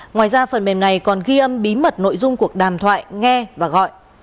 ngoài ra phần mềm này còn ghi âm bí mật nội dung cuộc đàm thoại nghe và gọi